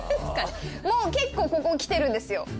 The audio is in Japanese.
もう結構ここきてるんですよ。